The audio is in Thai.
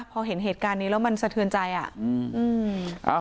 พอเห็นเหตุการณ์นี้แล้วมันสะเทือนใจอ่ะอืม